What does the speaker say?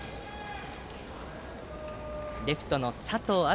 レフトの佐藤明